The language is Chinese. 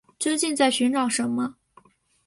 究竟在寻找什么